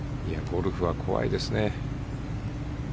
ゴルフは怖いですね。